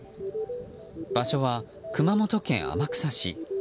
場所は熊本県天草市。